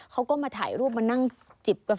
เขาก็มาถ่ายรูปมานั่งจิบกับผู้น้อง